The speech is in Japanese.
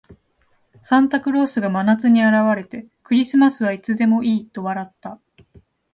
サンタクロースが真夏に現れて、「クリスマスはいつでもいい」と笑った。